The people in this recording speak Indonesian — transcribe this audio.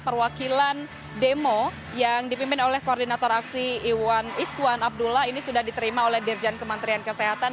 perwakilan demo yang dipimpin oleh koordinator aksi iswan abdullah ini sudah diterima oleh dirjen kementerian kesehatan